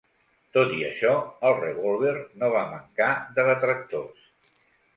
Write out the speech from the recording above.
Tot i això, el revòlver no va mancar de detractors.